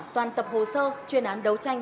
toàn tập hồ sơ chuyên án đấu tranh